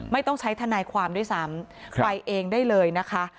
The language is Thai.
ไม่ต้องใช้ทนายความด้วยซ้ำไปเองได้เลยนะคะ